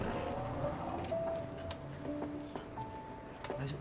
大丈夫？